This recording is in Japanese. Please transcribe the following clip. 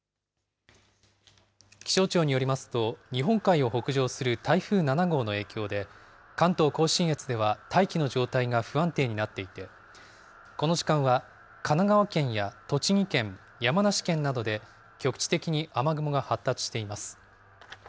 気象庁によりますと、日本海を北上する台風７号の影響で、関東甲信越では大気の状態が不安定になっていて、この時間は神奈川県や栃木県、山梨県などで、局地的に雨雲が発達しています。